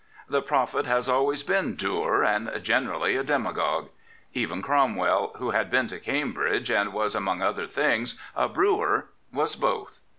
The prophet has always been ddur and generally a demagogue. Even Crom well, who had been to Cambridge, and was, among other things, a brewer, was both.